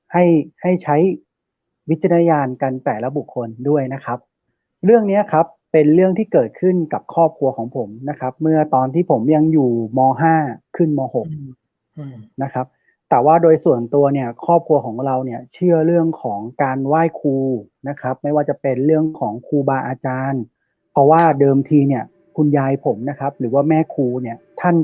ให้ให้ใช้วิจารณญาณกันแต่ละบุคคลด้วยนะครับเรื่องเนี้ยครับเป็นเรื่องที่เกิดขึ้นกับครอบครัวของผมนะครับเมื่อตอนที่ผมยังอยู่ม๕ขึ้นม๖นะครับแต่ว่าโดยส่วนตัวเนี่ยครอบครัวของเราเนี่ยเชื่อเรื่องของการไหว้ครูนะครับไม่ว่าจะเป็นเรื่องของครูบาอาจารย์เพราะว่าเดิมทีเนี่ยคุณยายผมนะครับหรือว่าแม่ครูเนี่ยท่าน